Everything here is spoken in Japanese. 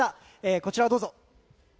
こちらをどうぞ。